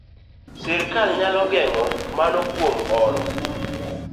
Sirkal nyalo geng'o mano kuom oro